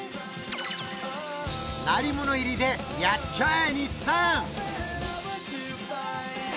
鳴り物入りでやっちゃえ